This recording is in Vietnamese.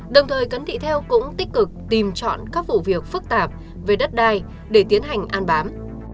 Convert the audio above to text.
đồng thời cấn thị theo cũng tích cực tìm chọn các vụ việc phức tạp về đất đai để tiến hành an bám